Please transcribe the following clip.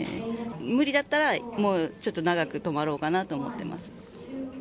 無理だったらもう、ちょっと長く泊まろうかなと思ってます。